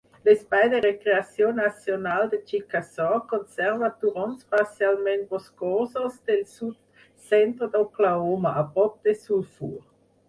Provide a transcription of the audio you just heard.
L'espai de recreació nacional de Chickasaw conserva turons parcialment boscosos del sud-centre d'Oklahoma, a prop de Sulphur.